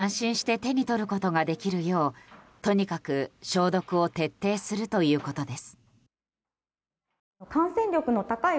再開に向けて、安心して手に取ることができるようとにかく消毒を徹底するということです。